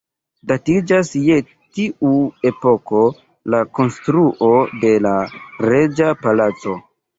Datiĝas je tiu epoko la konstruo de la “reĝa Palaco”.